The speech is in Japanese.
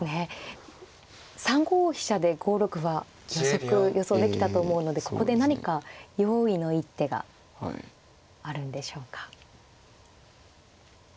３五飛車で５六歩は予想できたと思うのでここで何か用意の一手があるんでしょうか。